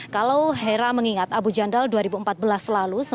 kalau hera mengingat abu jandal dua ribu empat belas lalu